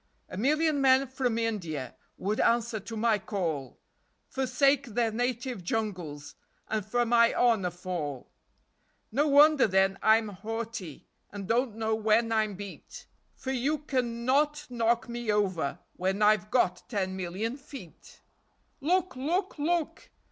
A million men from India Would answer to my call, Forsake their native jungles, And for my honor fall. No wonder, then, I'm haughty, And don't know when I'm beat; For you can not knock me over When I've got ten million feet! Look ! Look ! Look